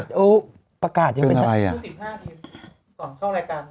ตื่น๑๕ทีส่วนช่องรายการ